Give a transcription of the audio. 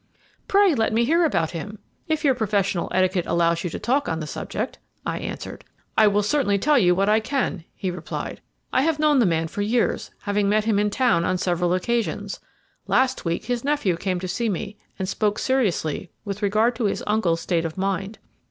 "Pray let me hear about him, if your professional etiquette allows you to talk on the subject," I answered. "I will certainly tell you what I can," he replied. "I have known the man for years, having met him in town on several occasions. Last week his nephew came to see me, and spoke seriously with regard to his uncle's state of mind.